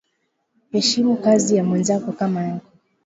Heshimukazi ya mwenzako kama yako